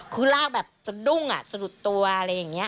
คือลากแบบสะดุ้งสะดุดตัวอะไรอย่างนี้